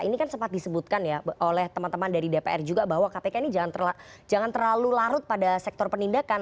ini kan sempat disebutkan ya oleh teman teman dari dpr juga bahwa kpk ini jangan terlalu larut pada sektor penindakan